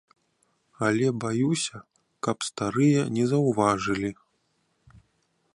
Але баюся, каб старыя не заўважылі.